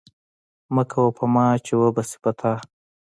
مه کوه په ما، چي وبه سي په تا